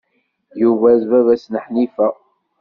Yuba d baba-s n Ḥnifa.